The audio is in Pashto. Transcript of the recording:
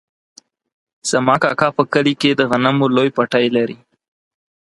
زما کاکا په کلي کې د غنمو لوی پټی لري.